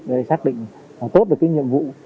để xác định tốt được cái nhiệm vụ